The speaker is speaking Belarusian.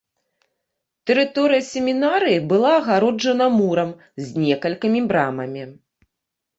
Тэрыторыя семінарыі была агароджаная мурам з некалькімі брамамі.